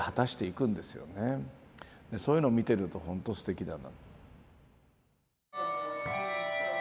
そういうの見てるとほんとすてきだな。